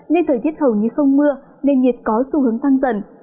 nên thời tiết hầu như không mưa nên nhiệt có xu hướng tăng dần